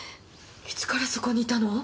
いつからそこにいたの？